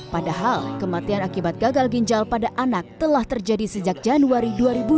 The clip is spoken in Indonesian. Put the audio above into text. padahal kematian akibat gagal ginjal pada anak telah terjadi sejak januari dua ribu dua puluh